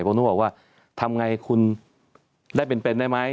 ผมต้องบอกว่าทำไงคุณได้เป็นได้ไหม